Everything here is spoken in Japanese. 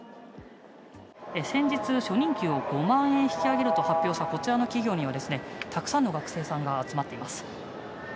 先日、初任給を５万円引き上げると発表したこちらの企業には、たくさんの学生さんが集まっています。